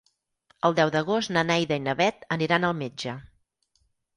El deu d'agost na Neida i na Bet aniran al metge.